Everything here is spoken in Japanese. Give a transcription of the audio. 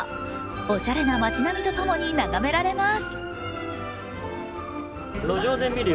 おしゃれな街並みと共に眺められます。